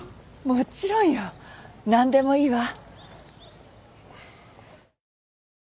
もちろんよ。何でもいいわ。